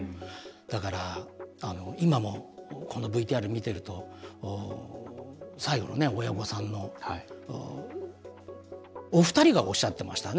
だから今もこのＶＴＲ見てると最後の親御さんのお二人がおっしゃってましたね。